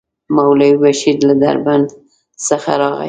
مولوي بشير له دربند څخه راغی.